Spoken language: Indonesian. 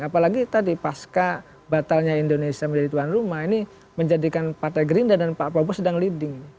apalagi tadi pasca batalnya indonesia menjadi tuan rumah ini menjadikan partai gerindra dan pak prabowo sedang leading